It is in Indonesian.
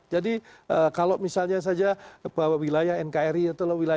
jadi kalau misalnya saja wilayah nkri atau wilayah hindia belanda